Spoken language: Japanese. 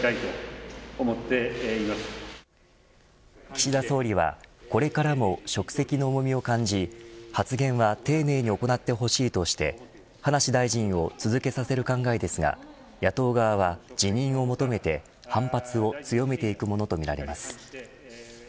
岸田総理はこれからも職責の重みを感じ発言は丁寧に行ってほしいとして葉梨大臣を続けさせる考えですが野党側は辞任を求めて反発を強めていくものとみられます。